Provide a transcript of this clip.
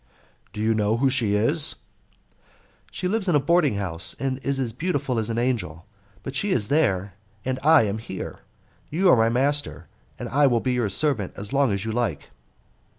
"Do you know who she is?" "She lives in a boarding house, and is as beautiful as an angel; but she is there, and I am here. You are my master, and I will be your servant as long as you like."